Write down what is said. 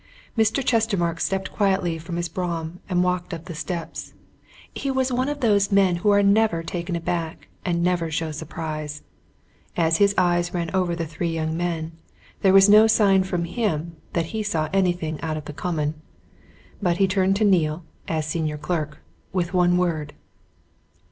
Mr. Chestermarke stepped quietly from his brougham and walked up the steps. He was one of those men who are never taken aback and never show surprise, and as his eyes ran over the three young men, there was no sign from him that he saw anything out of the common. But he turned to Neale, as senior clerk, with one word.